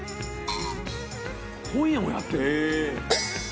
本屋もやってる。